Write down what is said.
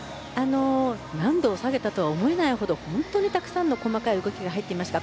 難度を下げたとは思えないほど本当にたくさんの細かい動きが入っていました。